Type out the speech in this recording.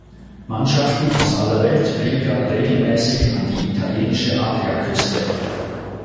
Mannschaften aus aller Welt pilgern regelmäßig an die italienische Adriaküste.